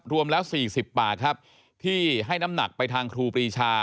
รวมแล้ว๔๐ปากครับที่ให้น้ำหนักไปทางครูปรีชา